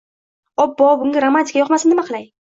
Obbo, bunga romantika yoqmasa nima qilay